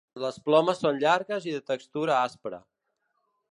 Les plomes són llargues i de textura aspra.